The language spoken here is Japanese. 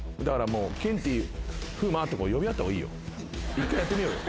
１回やってみようよ。